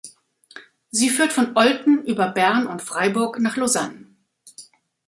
Sie führt von Olten über Bern und Freiburg nach Lausanne.